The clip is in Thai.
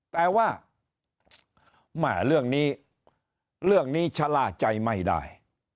แต่ว่าแม่เรื่องนี้เรื่องนี้ชะล่าใจไม่ได้